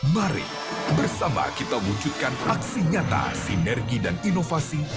mari bersama kita wujudkan aksi nyata sinergi dan inovasi